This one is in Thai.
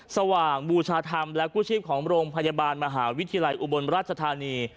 สว่างบูชาธรรมและกู้ชีพของโรงพยาบาลมหาวิทยาลัยอุบลราชธานี